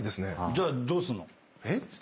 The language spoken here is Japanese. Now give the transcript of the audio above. じゃあどうすんの？